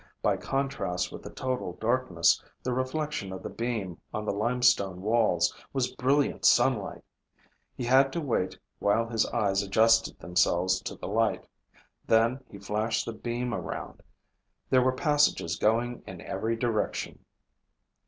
By contrast with the total darkness, the reflection of the beam on the limestone walls was brilliant sunlight. He had to wait while his eyes adjusted themselves to the light. Then he flashed the beam around. There were passages going in every direction.